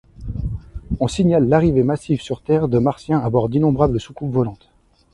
On signale l'arrivée massive sur terre de Martiens à bord d'innombrables soucoupes volantes.